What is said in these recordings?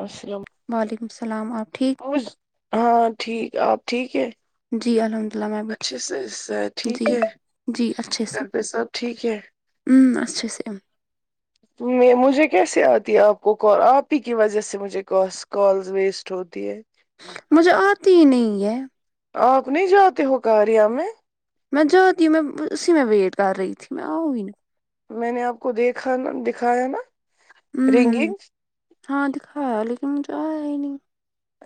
السلام وعلیکم السلام آپ ٹھیک ہاں ٹھیک آپ ٹھیک ہے جی الحمد للہ میں بھی اچھے ٹھیک سے صحت ٹھیک جی ہے گھر پہ سب ٹھیک ہے اچھا سے میں مجھے کیسے آتی ہے آپ کو کال آپ ہی کی وجہ سے مجھے کال س کالز ویسٹ ہوتی ہے مجھے آتی ہی نہیں ہے اگ نہیں جاتے ہو گڑیا مے میں جاتی ہوں میں اسی میں ویٹ کر رہی تھی میں آؤی نا میں نے آپ کو دیکھا نا دکھایا نا ہ رنگنگ ہاں دکھا لکن جارے نہیں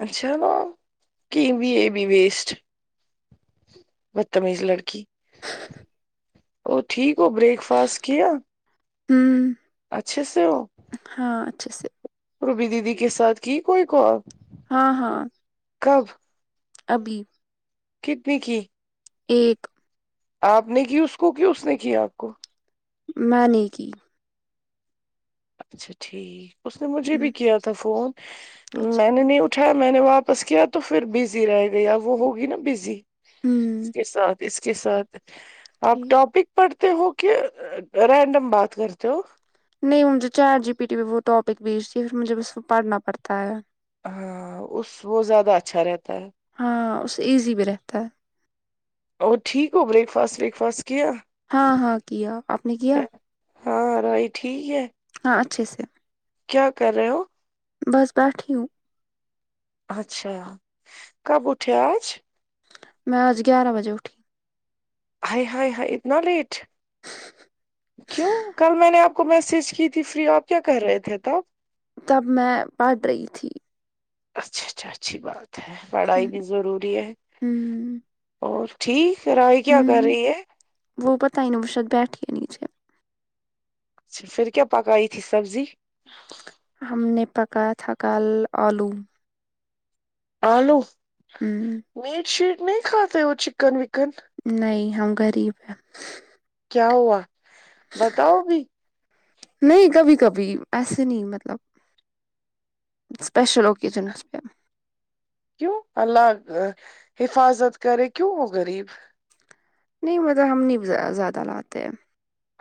اچھا وہ کہ بھی یہ بھی وسٹ بدتمیز لرکی جاں ا ٹھیک ہو بریک فاسٹ کیا اچھے سے ہو ہاں اچھے سے روبی دیدی کے ساتھ کی کوئی کال ہاں ہاں کب ابھی کتنی کی ایک آپ نے کی اس کو کی اس نے کی آپ کو میں نے کی اچھا ٹھیک اس نے مجھے ہ بھی کیا تھا فون اچھا میں نے نہیں اٹھایا میں نے واپس کیا تو پھر بزی رہ گیا وہ ہوگی نا بزی ہ اس کے ساتھ اس کے ساتھ آپ ٹھیک ٹاپک پڑھتے ہو کہ رینڈم بات کرتے ہو نہیں وہ مجھے چاٹ جی پی ٹی وہ ٹاپک بیجتی ہے پھر مجھے بس پڑھنا پڑتا ہے ہاں اس وہ زیادہ اچھا رہتا ہے ہاں اس سے ایزی بھی رہتا ہے اور ٹھیک ہو بریک فاسٹ ویک فاسٹ کیا ہاں ہاں کیا آپ نے کیا ہاں رائی ٹھیک ہے ہاں اچھے سے کیا کر رہے ہو بس بیٹھی ہوں اچھا کب اٹھے آج میں آج گیارہ بجے اٹھی ہائے ہائے ہائے اتنا لیٹ کیوں کل میں نے آپ کو میسج کی تھی فری آپ کیا کر رہے تھے تب تب میں پڑھ رہی تھی اچھا اچھا اچھی بات ہے پڑھائی ہوں بھی ضروری ہے ہوں اور ٹھیک رائی کیا کر ہوں رہی ہے وہ پتہ ہی نا وہ شاید بیٹھی نیچے اچھا پھر کیا پکائی تھی سبزی ہم نے پکا یا تھا کل آلو آلو ہوں میٹ شیٹ نہیں کھاتے وہ چکن وکن نہیں ہم غریب ہیں کیا ہوا بتاؤ بھی نہیں کبھی کبھی ایسے نہیں مطلب اسپیشل اوکیشنس پے کیوں اللہ حفاظت کرے کیوں ہو غریب نہیں مطلب ہم نہیں زیا زیادہ لاتے ہیں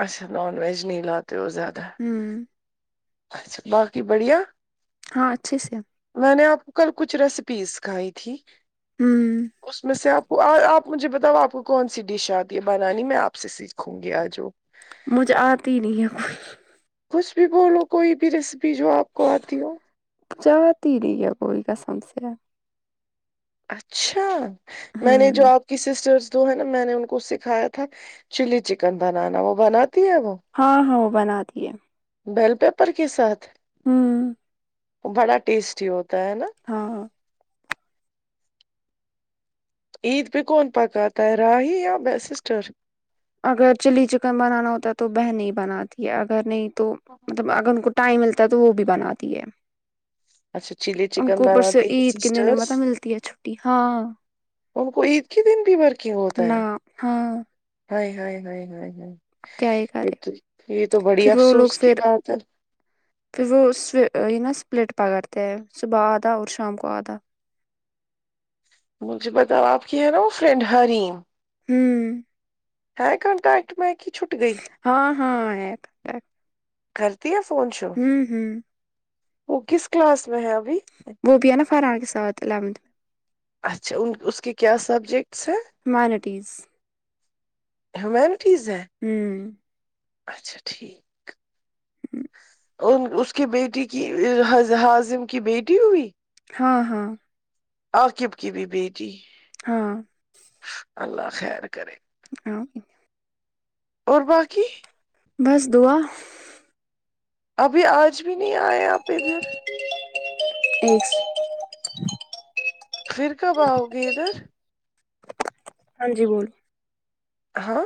اچھا نان ویج نہیں لا تے ہو زیادہ ہمم اچھا باقی بڑھیا ہاں اچھے سے میں نے آپ کو کل کچھ ریسیپی سکھائی تھی ہوں اس میں سے آپ کو آپ مجھے بتاؤ آپ کو کون سی ڈیش آتی ہے بنانی میں آپ سے سیکھوں گی آج وہ مجھے آتی ہی نہیں ہے کچھ بھی بولو کوئی بھی ریسیپی جو آپ کو آتی ہو جاتی ہی نہیں ہے کوئی قسم سے اچھا میں نے جو ہوں آپ آپ کی سسٹرس جو ہے نا میں نے ان کو سکھایا تھا چلی چکن بنانا وہ بناتی ہے وہ ہاں ہاں وہ بنا تی ہے بیل پیپر کے ساتھ ہمم بڑا ٹیسٹی ہوتا ہے نا ہاں عید پے کون پکاتا ہے راہی یا سسٹر اگر چلی چکن بنانا ہوتا ہے تو وہ بہنیں ہی بناتی ہے اگر نہیں تو مطلب اگر ٹائم ملتا ہے تو وہ بھی بناتی ہے اچھا چلی ان چکن کو اوپر سے بناتی ہے عید کے دن سسٹرس مطلب ملتی ہے چھٹی ہاں ان کو عید کے دن بھی ورکنگ ہوتا نہ ہے ہاں ہاۓ ہاۓ ہائے ہاۓ کیا ہی ہاۓ کرے تو یہ تو بڑی پھر وہ لوگ افسوس کی پھر بات ہے پھر وہ یہ نا سپلٹ پکڑتے ہیں صبح آدھا اور شام کو آدھا مجھے بتاؤ آپ کی ہے نہ وہ فرینڈ حریم ہمم ہے کنٹ ایکٹ میں کی چھوٹ ہاں ہاں ہے کانٹیکٹ۔ کرتی ہے فون شون ہوں ہوں وہ کس کلاس میں ہے ابھی وہ بھی ہے نہ فراح کے ساتھ یلایونت میں اچھا اس کے کیا سبجیکٹس ہیں ہیوومینٹیز ہیوومینٹیز ہیں ہوں اچھا ٹھیک ا اس کی بیٹی کی حاضم کی بیٹی ہوئی ہاں ہاں آکیب کی بھی بیٹی ہاں اللہ خیر کرے ہاں اور باقی بس دعا ابھی آج بھی نہیں آئیں آپ ادھر اچھا پھر کب آؤ گی ادھر ہاں جی بولیے ہاں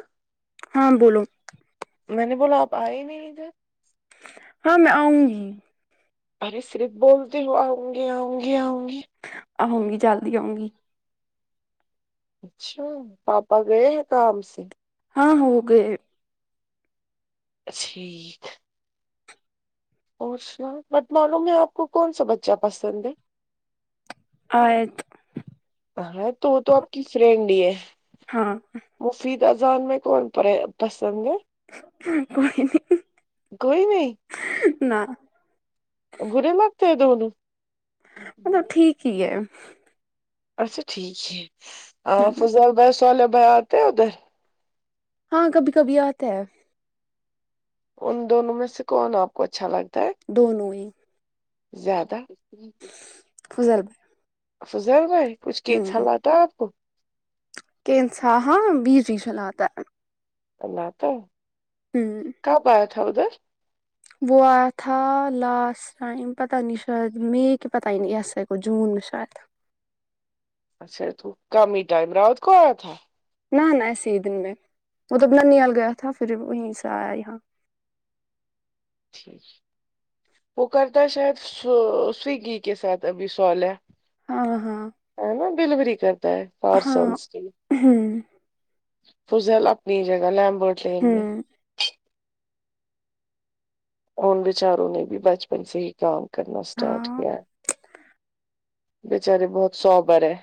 ہاں بولو میں نے بولا آپ آئے نہیں ادھر ہاں میں آؤںگی ارے صرف بولتی ہو آؤنگی آؤنگی آؤنگی آونگی جلد آؤنگی اچھا پاپا گئے ہیں کام سے ہاں ہو گئے ٹھیک اور سناؤ بٹ معلوم نہیں آپ کو کونسا بچہ پسند ہے آیات ہاں تو وہ تو آپ کی فرینڈ ہی ہے ہاں مفید اذان میں کون پسند ہے کوئی نہیں کوئی نہیں نہ برے لگتے ہیں دونوں تو ٹھیک ہی ہے اچھا ٹھیک ہے فضل بھائی صالح بھائی آتے ہیں ادھر ہاں کبھی کبھی آتا ہے ان دونوں میں سے کون آپ کو اچھا لگتا ہیں دونوں ہی زیادہ افضل بھائی افضل بھائی کچھ [unintelligible] آپ کو [unintelligible] کل آتا وہ ہوں کب آیا تھا ادھر وہ آیا تھا لاسٹ ٹائم پتہ نہیں شاید مئی کہ پتہ نہیں شاید جوون میں شاید اچھا تو کم ہی ٹائم رات کو آیا تھا نہ نہ ایسے ہی دن میں مطلب ننیال گیا تھا پھر وہیں سے آیا یہاں ٹھیک وہ کرتا ہے شاید سو سویگی کے ساتھ ابھی صالح ہاں ہاں ہاں ہے نا ڈلیوری کرتا ہے ہاں پارسلس کی ہوں فضل اپنی جگہ لیمبورڈ لین میں ہوں ان بچاروں نے بھی بچپن سے ہی کام کرنا اسٹارٹ ہاں کیا ہے بچاری بہت سوبر ہے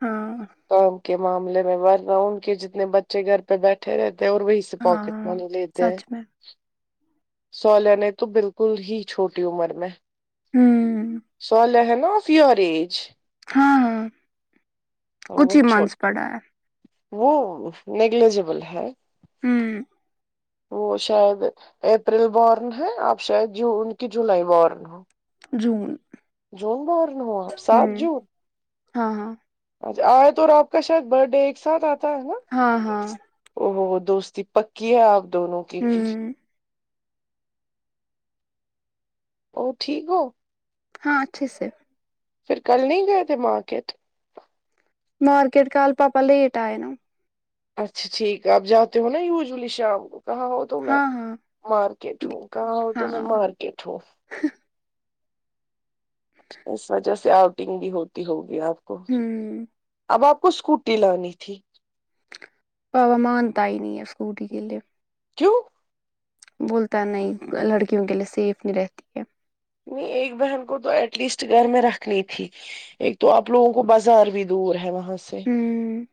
ہاں کام کے معاملے میں ورنہ ان کے جتنے بچے گھر پہ بیٹھے رہتے ہیں اور وہی پاکٹ ہاں منی لیتے ہیں سچ میں صالح نے تو بالکل ہی چھوٹی عمر میں ہوں صالح ہاں ہاں کچھ وہ ہی منتھس پڑا ہے وہ نیگلیجبل ہے ہوں وہ شاید اپریل بورن ہے آپ شاید جون کی جولائی بورن ہو جون جون بورن ہو آپ سات ہوں جون ہاں ہاں اچھا آیت اور آپ کا شاید برتھ ڈے ایک ساتھ آتا ہے نا ہاں ہاں اوہو دوستی پکی ہے آپ دونوں کی پھر ہوں او ٹھیک ہو ہاں اچھے سے پھر کل نہیں گئے تھے مارکیٹ مارکیٹ کل پاپا لیٹ آئے نا اچھا ٹھیک ہے آپ جاتے ہو نا یوزلی شام کو کہاں ہو تو میں ہاں ہاں مارکیٹ ہوں کہاں ہو تو ہاں میں مارکیٹ ہوں اس وجہ سے آؤٹنگ بھی ہوتی ہوگی آپ کو ہوں اب آپ کو اسکوٹی لانی تھی پاپا مانتا ہی نہیں ہے اسکوٹی کے لیے کیوں بولتا نہیں لڑکیوں کے لیے سیف نہیں رہتی ہے نہیں ایک بہن کو تو ایٹ لیسٹ گھر میں رکھنی تھی ایک تو آپ لوگوں کو بازار بھی دور ہے وہاں سے ہوں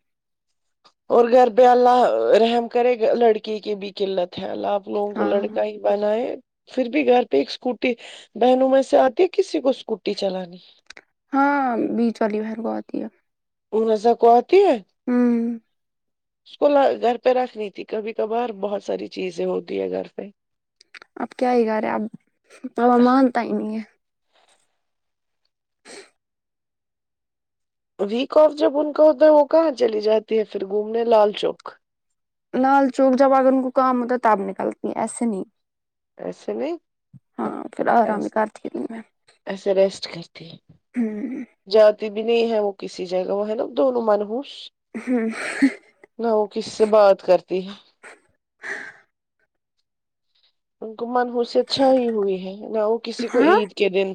اور گھرپہ اللہ رحم کرے گ لڑکی کی بھی قلت ہے اللہ آپ لوگوں کو ہاں لڑکا ہی بنائے پھر بھی گھر پہ ایک اسکوٹی بہنوں میں سے آتی ہے کسی کو اسکوٹی چلانی ہاں بیچ والی بہن کو آتی ہے رومیضا کو آتی ہے ہوں اس کو گھر پہ رکھنی تھی کبھی کبھار بہت ساری چیزیں ہوتی ہے گھر پہ اب کیا ہی کرے اب بابا مانتا ہی نہیں ہے ویک آف جب ان کا ہوتا ہے وہ کہاں چلی جاتی ہے پھر گھومنے لال چوک لال چوک جب آگن کو کام ہوتا ہے تب نکلتی ایسے نہیں ایسے نہیں ہاں پھر آرام ایسے کرتی رہی میں ایسے ریسٹ کرتی جاتی نہیں ہے وہ کسی جگہ وہ ہے نا دونوں منہوس ہوں نہ وہ کس سے بات کرتی ہے ان کو منہوسیت چھائے ہوئی ہے نہ وہ کسی کو ہاں عید کے دن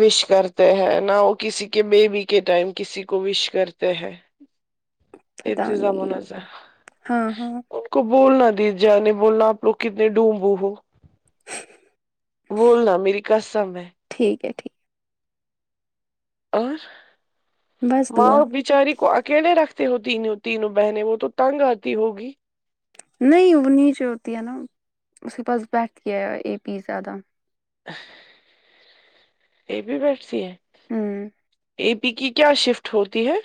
وش کرتے ہیں نہ وہ کسی کے بیبی کے ٹائم کسی کو وش کرتے ہیں پتا ارتوزا نہیں منازا ہاں ہاں کو بولنا دی جانی بولنا آپ لوگ کتنے ڈمبو ہو بولنا میری کسم ہے ٹھیک ہےٹھیک اور بس دعا ماؤ بچاری کو اکیلے رکھتے سے وہ تین تینوں بہنے وہ تو تنگ آتی ہوگی نہیں وہ نیچے ہوتی ہے نا اس کے پاس بیٹھتی ہے اے پی زیادہ یہ بھی بیٹھتی ہے هم اے پی کی کیا شفٹ ہوتی ہے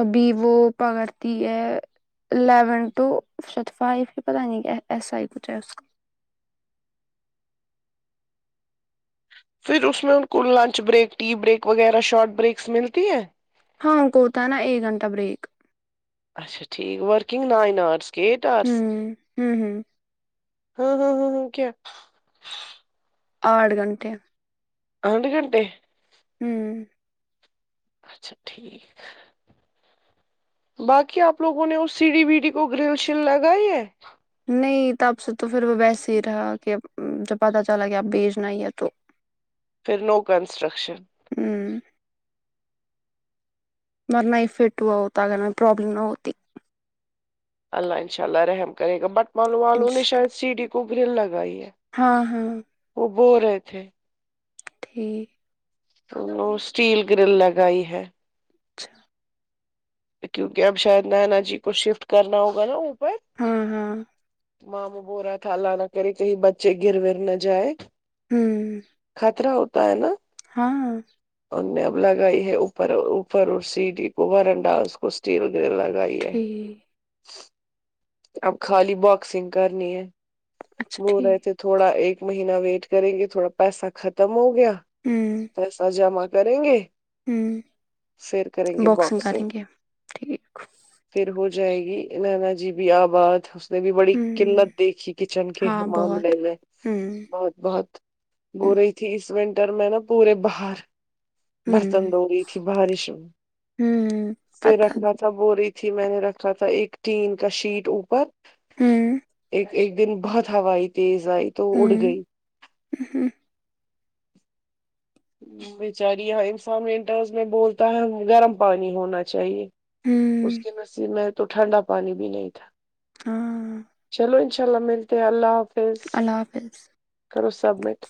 ابھی وہ پکڑتی ہے الیون ٹو شفٹ فائیو ہی پتہ نہیں کہ ایس آئی کچھ ہے اس کا پھر اس میں ان کو لنچ بریک ٹی بریک وغیرہ شارٹ بریکس ملتی ہے ہاں کوتا نا ایک گھنٹا بریک اچھا ٹھیک ورکنگ نائن آرس کے ایٹ ارس ہوں ہوں ہوں ہاں ہاں ہاں ہاں کیا آٹھ گھنٹے آٹھ گھنٹے ہوں اچھا ٹھیک ہے باقی آپ لوگوں نے اس سی ڈی بی ڈی کو گرل شل لگائی ہے نہیں تب سے تو پھر وہ ویسے ہی رہا کہ جب پتا چلا کہ آب بھیجنا ہی ہے تو پھر لوو کنسٹرکشن ہوں مرنافٹ ہوا ہوتا اگر پرابلم نہ ہوتی اللہ انشاء اللہ رحم کرے گا بٹ مالوں والوں نے انشاء شاید اللہ سی ڈی کو گرل لگائی ہے ہاں ہاں وہ بول رہے تھے جی تو اسٹیل گرل لگائی ہے اچھا کیونکہ اب شاید نینا جی کو شفٹ کرنا ہوگا نا اوپر ہاں ہاں ماموں بولرا تھا اللہ نہ کرے کہیں بچے گر ور نہ جائے ہوں خطرہ ہوتا ہے نا ہاں ان نے اب لگائی ہے اوپر اوپر اور سی ڈی کو ور انڈا اس کو اسٹیل گرل لگائی ہے ٹھیک اب خالی باکسنگ کرنی ہے اچھا بول رہے ٹھیک تھے تھوڑا ایک مہینہ ویٹ کریں گے تھوڑا پیسہ ختم ہو گیا ہوں پیسہ جمع کریں گے ہوں پھر کریں گے باکسنگ کریں گے ٹھیک پھر ہو جائے گی نانا جی بھی آباد ایوری بڑی ہوں قلت دیکھی کچن کے ہاں معاملے بہت میں ہوں بہت بہت گو ہوں رہی تھی اس ونٹر میں نا پورے باہر برتن ہوں دھو رہی تھی بارش میں ہوں پھر پتہ رکھنا تھا بو ری جی میں نے رکھا تھا ایک ٹین کا شیٹ اوپر ہوں ایک ایک دن بہت ہوائی تیز آئی تو اڑ گئی حمم بیچاری یہاں انفا ونٹرز میں بولتا ہے گرم پانی ہونا چاہیے اس ہوں کے نصیب میں تو ٹھنڈا پانی بھی نہیں تھا ہاں چلو انشاء اللہ ملتے اللہ حافظ اللہ حافظ کرو سبمٹ